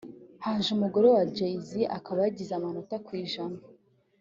haje umugore wa Jay-Z akaba yagize amanota ku ijana